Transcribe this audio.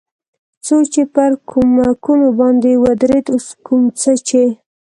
څو چې پر کومکونو باندې ودرېد، اوس کوم څه چې.